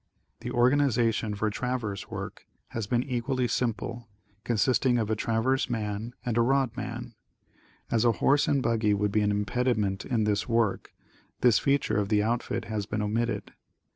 The organization for traverse work has been equally simple, consisting of a traverse man and a rodman. As a horse and buggy would be an impediment in this work, this feature of the outfit has been omitted.